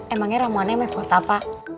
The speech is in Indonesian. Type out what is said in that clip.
emangnya ramuan emang buat apa